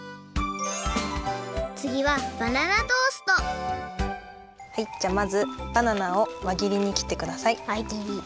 つぎははいじゃあまずバナナをわぎりにきってください。わぎり。